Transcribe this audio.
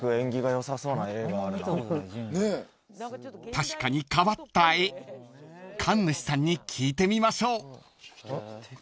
［確かに変わった絵神主さんに聞いてみましょう］